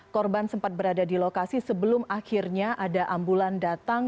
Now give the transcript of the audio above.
korban sempat berada di lokasi sebelum akhirnya ada ambulan datang